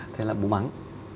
thế là bố mắng